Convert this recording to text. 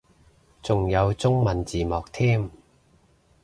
仲有中文字幕添